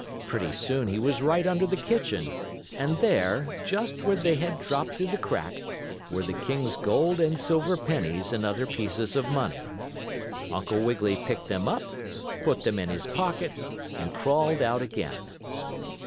Pretty soon he was right under the kitchen, and there, just where they had dropped through the crack, were the king's gold and silver pennies and other pieces of money. Uncle Wiggily picked them up, put them in his pocket and crawled out again.